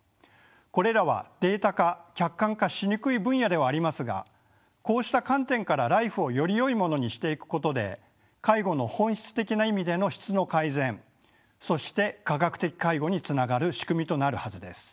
これらはデータ化客観化しにくい分野ではありますがこうした観点からＬＩＦＥをよりよいものにしていくことで介護の本質的な意味での質の改善そして科学的介護につながる仕組みとなるはずです。